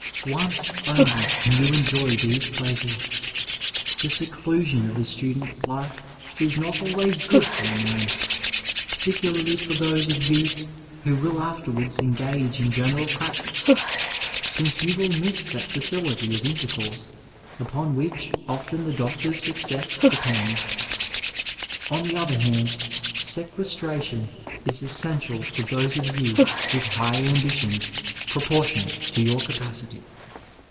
Once only can you enjoy these pleasures. The seclusion of the student life is not always good for a man, particularly for those of you who will afterwards engage in general prac tice, since you will miss that bcility of intercourse upon which often the doctor's success depends. On the other hand sequestration is essential for those of you with high ambitions proportionate to your capacity.